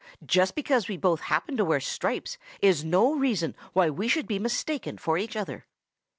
Just because we both happen to wear stripes is no reason why we should be mistaken for each other."